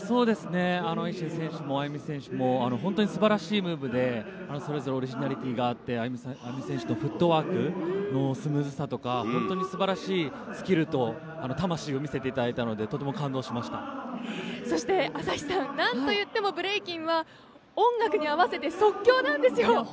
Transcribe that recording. ＩＳＳＩＮ選手も、ＡＹＵＭＩ選手も本当にすばらしいムーブで、それぞれオリジナリティーがあって、ＡＹＵＭＩ選手のフットワークのスムーズさとか、本当にすばらしいスキルと魂を見せていただいたのでなんといってもブレイキンは音楽に合わせて、即興なんですよ。